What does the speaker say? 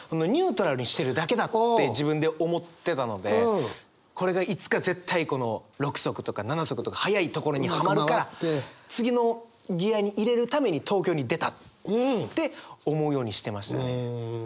ニュートラルにしてるだけだって自分で思ってたのでこれがいつか絶対６速とか７速とか速いところにはまるから次のギアに入れるために東京に出たって思うようにしてましたね。